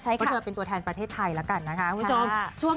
ให้เธอเป็นตัวแทนประเทศไทยแล้วกันนะคะคุณผู้ชม